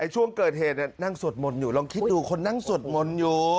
ช่วงเกิดเหตุนั่งสวดมนต์อยู่ลองคิดดูคนนั่งสวดมนต์อยู่